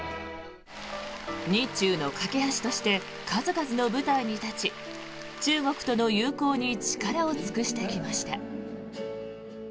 日中の懸け橋として数々の舞台に立ち中国との友好に力を尽くしてきました。